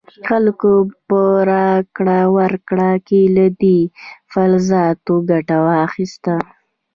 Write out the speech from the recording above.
خلکو په راکړه ورکړه کې له دې فلزاتو ګټه واخیسته.